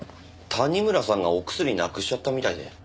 谷村さんがお薬なくしちゃったみたいで。